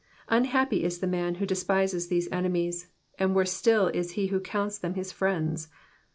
Unhappy is the man who despises these enemies, and worse still is he who counts them his friends